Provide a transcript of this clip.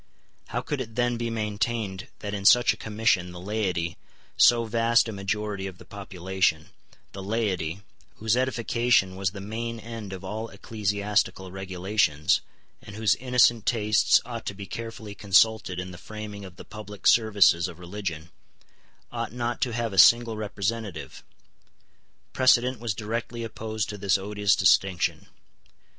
How could it then be maintained that in such a Commission the laity, so vast a majority of the population, the laity, whose edification was the main end of all ecclesiastical regulations, and whose innocent tastes ought to be carefully consulted in the framing of the public services of religion, ought not to have a single representative? Precedent was directly opposed to this odious distinction.